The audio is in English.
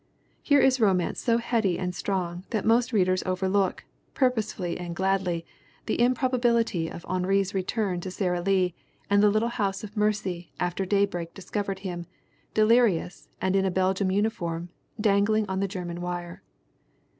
Here is romance so heady and strong that most readers overlook, purposely and gladly, the improba bility of Henri's return to Sara Lee and the little house of mercy after daybreak discovered him, deliri ous and in a Belgian uniform, dangling on the German wire.